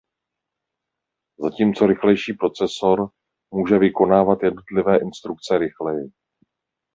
Zatímco rychlejší procesor muže vykonávat jednotlivé instrukce rychleji.